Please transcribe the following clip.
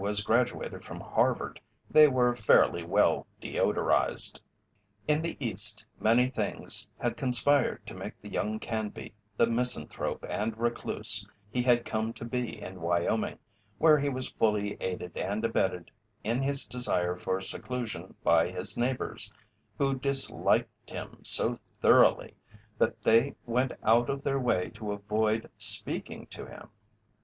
was graduated from Harvard they were fairly well deodorized. In the East many things had conspired to make the young Canby the misanthrope and recluse he had come to be in Wyoming, where he was fully aided and abetted in his desire for seclusion by his neighbours, who disliked him so thoroughly that they went out of their way to avoid speaking to him.